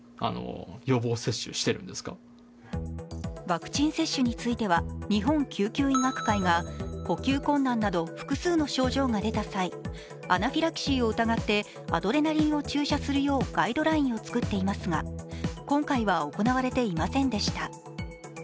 ワクチン接種については、日本救急医学会が呼吸困難など複数の症状が出た際アナフィラキシーを疑ってアドレナリンを注射するようガイドラインを作っていますが今回は行われていませんでした。